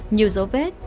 nhiều dấu vết